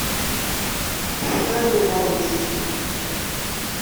Ḥfan iḍarren i tikli.